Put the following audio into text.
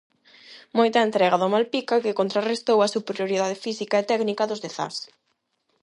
Moita entrega do Malpica que contrarrestou a superioridade física e técnica dos de Zas.